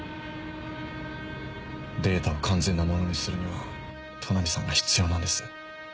データを完全なものにするには都波さんが必要なんです。